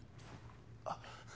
あっ。